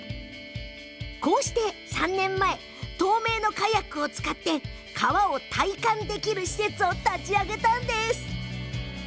３年前に透明のカヤックを使って川を体感できる施設を立ち上げたのです。